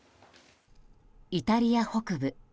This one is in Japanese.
イタリア北部。